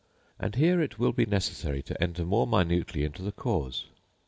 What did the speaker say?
And here it will be necessary to enter more minutely into the cause.